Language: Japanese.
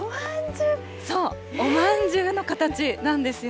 おまんじゅうの形なんですよ。